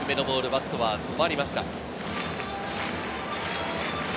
バットは止まりました。